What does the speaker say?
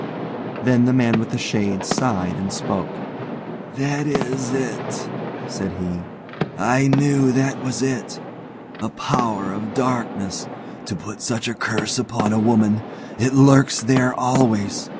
Then the man with the shade sighed and spoke. "That is it," said he. "I knew that was it. A power of darkness. To put such a curse upon a woman! It lurks there always.